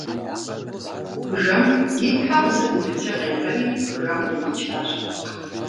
Бжэм и тхьэ къызэрихькӏэ къеӏэри бжэкъур иричащ.